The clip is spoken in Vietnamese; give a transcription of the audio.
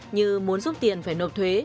như muốn giúp tiền phải nộp thuế